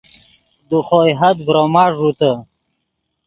دے خوئے حد ڤروما ݱوتے